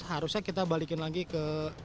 harusnya kita balikin lagi ke